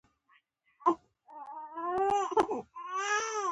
پرمختګ د عقل، پوهې او نوښت پایله ده.